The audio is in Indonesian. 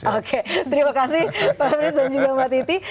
oke terima kasih pak bris dan juga mbak titi